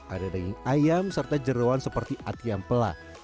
ada daging ayam serta jerawan seperti ati yang pelat